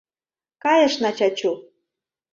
Кайышна, Чачу.